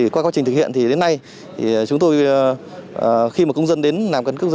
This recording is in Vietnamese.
qua quá trình thực hiện đến nay khi công dân đến làm căn cước